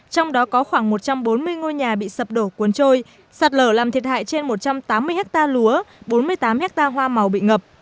trong đó có khoảng một trăm bốn mươi ngôi nhà bị sập đổ cuốn trôi sạt lở làm thiệt hại trên một trăm tám mươi hectare lúa bốn mươi tám hectare hoa màu bị ngập